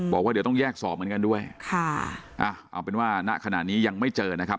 บอกว่าเดี๋ยวต้องแยกสอบเหมือนกันด้วยค่ะอ่ะเอาเป็นว่าณขณะนี้ยังไม่เจอนะครับ